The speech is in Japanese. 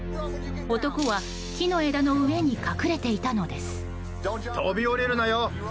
男は木の枝の上に隠れていたのです。